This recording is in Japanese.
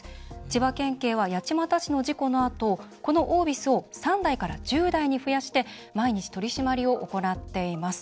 千葉県警は八街市の事故のあとこのオービスを３台から１０台に増やして毎日、取り締まりを行っています。